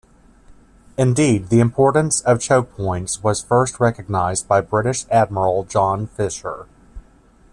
Indeed, the importance of choke points was first recognised by British Admiral John Fisher.